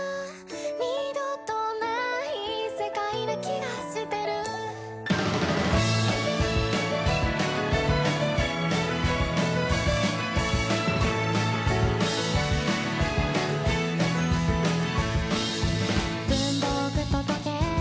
「二度とない世界な気がしてる」「文房具と時計